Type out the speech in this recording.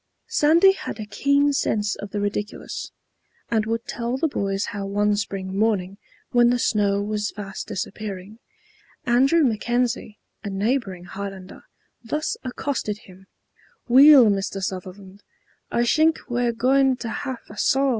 Sandy had a keen sense of the ridiculous, and would tell the boys how one spring morning when the snow was fast disappearing, Andrew McKenzie, a neighboring Highlander, thus accosted him, "Weel, Mr. Suzzerland, I shink we're goin' to have a saw."